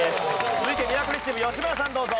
続いてミラクルチーム吉村さんどうぞ。